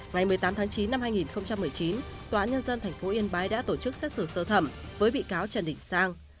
ngày một mươi tám tháng chín năm hai nghìn một mươi chín tòa án nhân dân tp yên bái đã tổ chức xét xử sơ thẩm với bị cáo trần đình sang